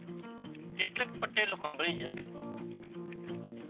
ايٽليڪ پٽيل هامڀۯي جھا